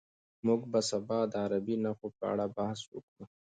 موږ به سبا د عربي نښو په اړه بحث وکړو.